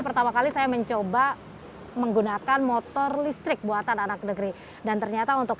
pertama kali saya mencoba menggunakan motor listrik buatan anak negeri dan ternyata untuk